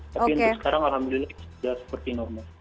tapi untuk sekarang alhamdulillah sudah seperti normal